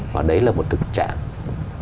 và đấy là một tình trạng